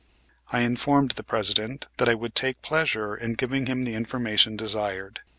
I informed the President that I would take pleasure in giving him the information desired.